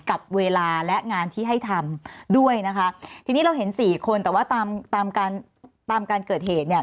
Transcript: กับเวลาและงานที่ให้ทำด้วยนะคะทีนี้เราเห็นสี่คนแต่ว่าตามตามการตามการเกิดเหตุเนี่ย